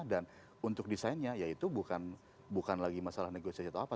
dan untuk desainnya ya itu bukan lagi masalah negosiasi atau apa